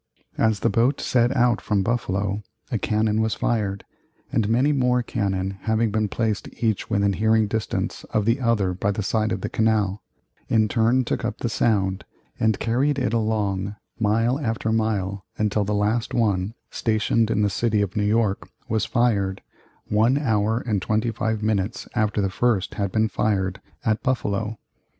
As the boat set out from Buffalo, a cannon was fired, and many more cannon having been placed each within hearing distance of the other by the side of the canal, in turn took up the sound and carried it along, mile after mile, until the last one, stationed in the city of New York, was fired, one hour and twenty five minutes after the first had been fired at Buffalo.